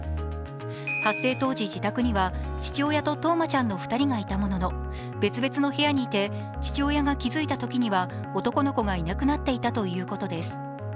発生当時、自宅には父親と任真ちゃんの２人がいたものの別々の部屋にいて、父親が気づいたときには男の子がいなくなっていたということです。